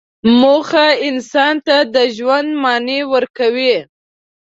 موخه انسان ته د ژوند معنی ورکوي.